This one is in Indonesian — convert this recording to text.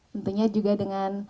tentunya juga dengan